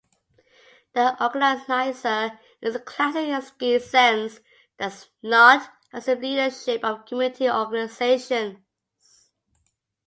The organizer, in the classic Alinsky sense, does not assume leadership of community organizations.